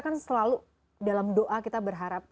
kan selalu dalam doa kita berharap